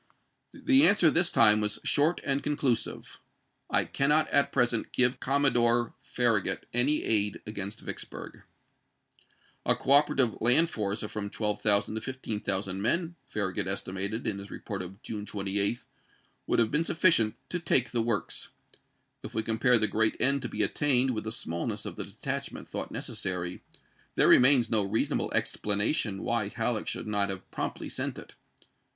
The answer this time was short and Vol. XVII., conclusive. " I cannot at present give Commodore p. 97. " Farragut any aid against Vicksburg." A coopera tive land force of from 12,000 to 15,000 men, Farra 1862. gut estimated in his report of June 28, would have been sufficient to take the works. If we compare the great end to be attained with the smallness of the detachment thought necessary, there remains no reasonable explanation why Halleck should not have promptly sent it.